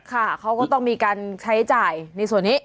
ค่ะเขาก็ต้องมีการใช้จ่ายในส่วนนี้